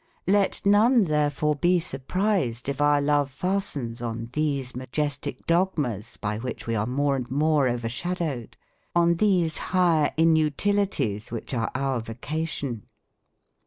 Let none therefore be surprised if our love fastens on these majestic dogmas, by which we are more and more overshadowed, on these higher inutilities which are our vocation.